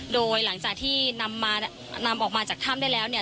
โดยหลังจากที่นำมานำออกมาจากถ้ำได้แล้วเนี่ย